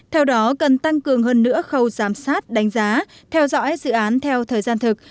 theo đó cần tăng cường hơn nữa khâu giám sát đánh giá theo dõi dự án theo thời gian thực